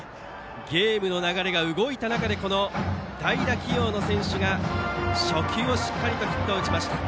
ゲームの流れが動いた中で代打起用の選手が、初球をしっかりヒットを打ちました。